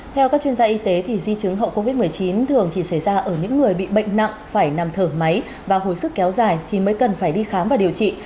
theo các chuyên gia y tế di chứng hậu covid một mươi chín thường chỉ xảy ra ở những người bị bệnh nặng phải nằm thở máy và hồi sức kéo dài thì mới cần phải đi khám và điều trị